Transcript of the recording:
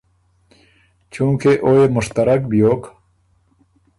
چونکې او يې مشترک بیوک